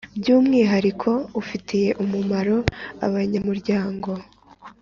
By umwihariko ufitiye umumaro abanyamuryango